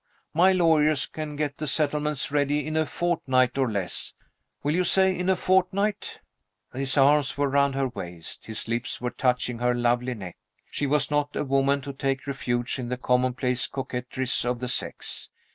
My lawyers can get the settlements ready in a fortnight, or less. Will you say in a fortnight?" His arm was round her waist; his lips were touching her lovely neck. She was not a woman to take refuge in the commonplace coquetries of the sex.